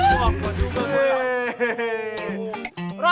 wah apaan juga kak adit